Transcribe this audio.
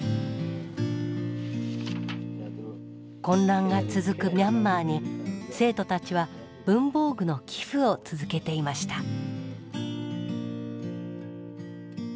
混乱が続くミャンマーに生徒たちは文房具の寄付を続けていました。